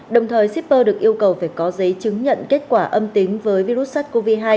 đồng thời shipper được yêu cầu phải có giấy chứng nhận kết quả âm tính với virus sars cov hai